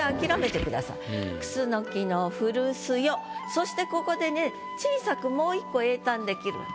そしてここでね小さくもう一個詠嘆できる。